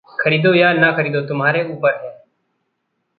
ख़रीदो या न ख़रीदो तुम्हारे ऊपर है।